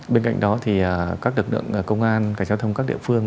bên cạnh đó thì các lực lượng công an cảnh giao thông các địa phương